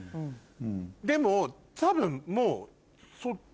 でも多分もう。